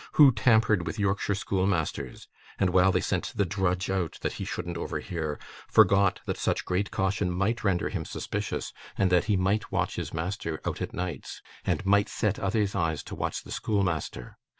Who tampered with Yorkshire schoolmasters, and, while they sent the drudge out, that he shouldn't overhear, forgot that such great caution might render him suspicious, and that he might watch his master out at nights, and might set other eyes to watch the schoolmaster?